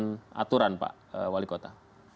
dengan aturan pak wali kota